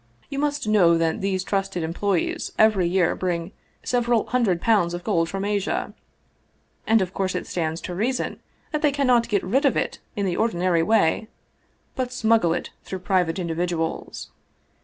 You must know that these trusted employees every year bring several hundred pounds of gold from Asia, and of course it stands to reason that they cannot get rid of it in the ordinary way, but smuggle it through private individuals.